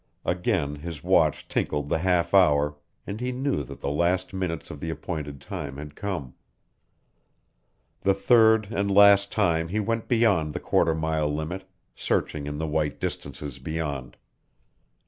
Again his watch tinkled the half hour, and he knew that the last minutes of the appointed time had come. The third and last time he went beyond the quarter mile limit, searching in the white distances beyond.